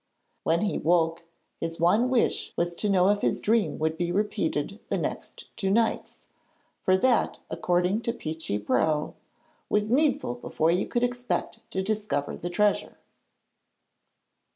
When he woke, his one wish was to know if his dream would be repeated the next two nights, for that, according to Peechy Prauw, was needful before you could expect to discover the treasure.